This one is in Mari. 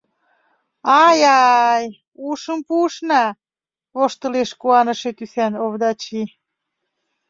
— Ай-ай, ушым пуышна! — воштылеш куаныше тӱсан Овдачи.